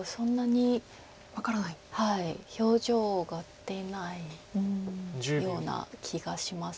表情が出ないような気がします。